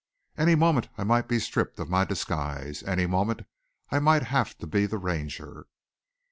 Any moment I might be stripped of my disguise. Any moment I might have to be the Ranger.